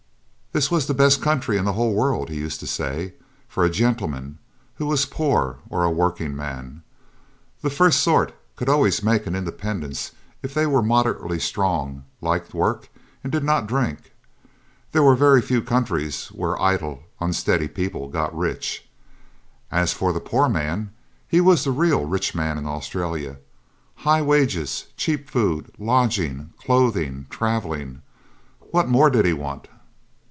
'This was the best country in the whole world,' he used to say, 'for a gentleman who was poor or a working man.' The first sort could always make an independence if they were moderately strong, liked work, and did not drink. There were very few countries where idle, unsteady people got rich. 'As for the poor man, he was the real rich man in Australia; high wages, cheap food, lodging, clothing, travelling. What more did he want?